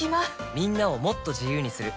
みんなをもっと自由にする「三菱冷蔵庫」